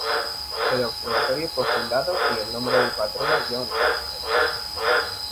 El observatorio fue fundado y el nombre del patrono John Radcliffe.